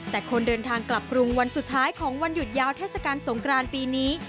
แต่คนเดินทางกลับกรุงวันสุดท้ายของวันหยุดยาวเทศกาลสงกรานปีนี้